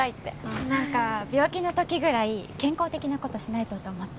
なんか病気の時ぐらい健康的な事しないとと思って。